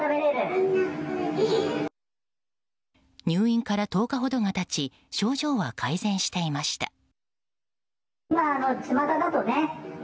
入院から１０日ほどが経ち症状は改善していました。